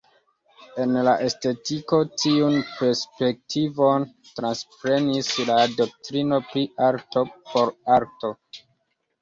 En la estetiko tiun perspektivon transprenis la doktrino pri "arto por arto".